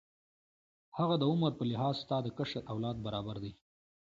هغه د عمر په لحاظ ستا د کشر اولاد برابر دی.